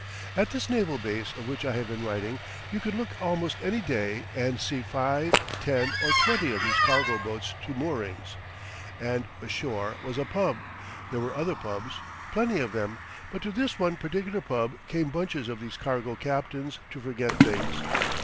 At this naval base of which I have been writing, you could look almost any day and see 5, 10, or 20 of these cargo boats to moorings. And ashore was a pub there were other pubs, plenty of them but to this one particular pub came bunches of these cargo captains to forget things.